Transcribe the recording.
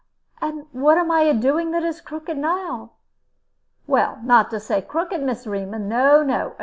"And what am I doing that is crooked now?" "Well, not to say crooked, Miss 'Rema; no, no.